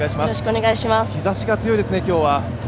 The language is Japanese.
日ざしが強いですね、今日は。